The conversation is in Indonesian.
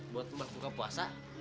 buat mbak buka puasa